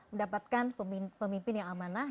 mendapatkan pemimpin yang amanah